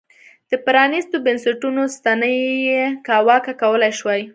د پرانیستو بنسټونو ستنې یې کاواکه کولای شوای.